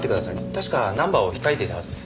確かナンバーを控えていたはずです。